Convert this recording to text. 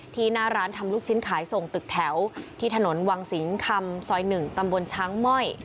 หน้าร้านทำลูกชิ้นขายส่งตึกแถวที่ถนนวังสิงคำซอย๑ตำบลช้างม่อย